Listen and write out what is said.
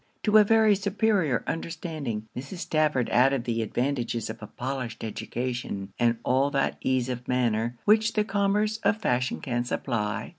To a very superior understanding, Mrs. Stafford added the advantages of a polished education, and all that ease of manner, which the commerce of fashion can supply.